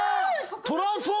トランスフォーム！